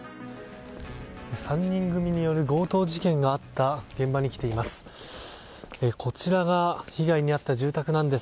３人組による強盗事件があった現場に来ています。